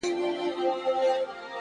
• چي ته حال راكړې گرانه زه درځمه؛